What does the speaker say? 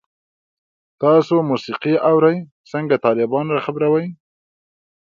تاسو موسیقی اورئ؟ څنګه، طالبان را خبروئ